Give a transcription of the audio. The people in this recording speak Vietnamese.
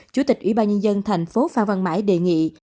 chủ tịch ủy ban nhân dân thành phố phan văn mãi đề nghị